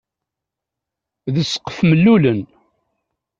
D ssqef mellulen.